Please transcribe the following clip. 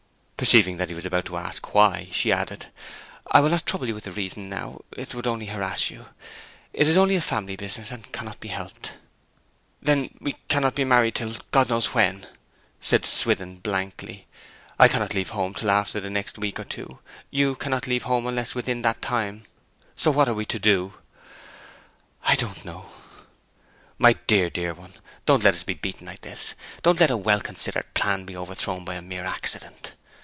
Perceiving that he was about to ask why, she added, 'I will not trouble you with the reason now; it would only harass you. It is only a family business, and cannot be helped.' 'Then we cannot be married till God knows when!' said Swithin blankly. 'I cannot leave home till after the next week or two; you cannot leave home unless within that time. So what are we to do?' 'I do not know.' 'My dear, dear one, don't let us be beaten like this! Don't let a well considered plan be overthrown by a mere accident!